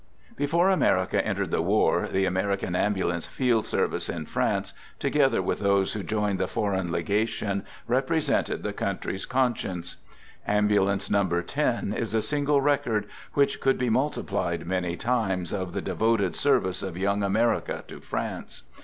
[Before America entered the war, the American ^; Ambulance Field Service in France, together with 1 those who joined the Foreign Legation, represented \ the country's conscience. " Ambulance No. 10 " is a single record, which could be multiplied many times, of the devoted service of young America to France.